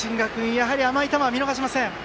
やはり甘い球は見逃しません。